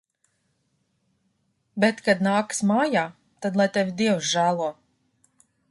Bet kad nāks mājā, tad lai tevi Dievs žēlo.